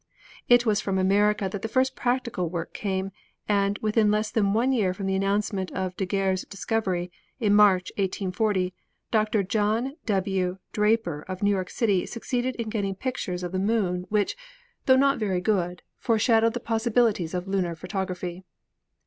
It was from America that the first practical work came, and "within less than one year from the announcement of Daguerre's discovery, in March, 1840, Dr. John W. Dra per of New York city succeeded in getting pictures of the 39 40 ASTRONOMY Moon which, though not very good, foreshadowed the possibilities of lunar photography.